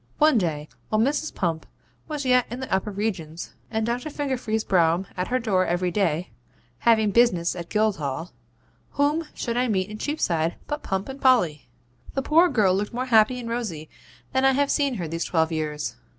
One day, while Mrs. Pump was yet in the upper regions, and Doctor Fingerfee's brougham at her door every day, having business at Guildhall, whom should I meet in Cheapside but Pump and Polly? The poor girl looked more happy and rosy than I have seen her these twelve years.